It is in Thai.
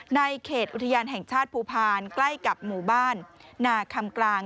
ในเขตอุทยานแห่งชาติภูพาลใกล้กับหมู่บ้านนาคำกลาง